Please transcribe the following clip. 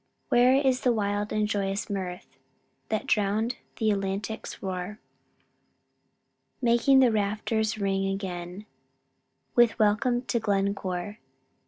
Where is the wild and joyous mirth That drown'd th' Atlantic's roar, Making the rafters ring again With welcome to Glencore?